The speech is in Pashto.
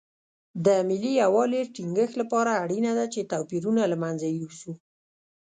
د ملي یووالي ټینګښت لپاره اړینه ده چې توپیرونه له منځه یوسو.